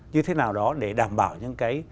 như thế nào đó để đảm bảo những cái